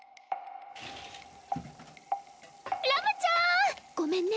ラムちゃんごめんね。